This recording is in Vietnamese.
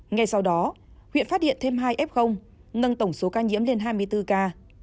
ngay sau đó huyện phát hiện thêm hai f nâng tổng số ca nhiễm lên hai mươi bốn ca